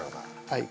はい。